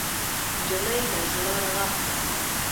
نجلۍ له زړه رڼا خپروي.